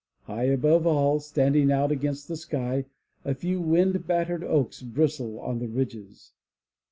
High above all, standing out against the sky, a few wind battered oaks bristle on the ridges.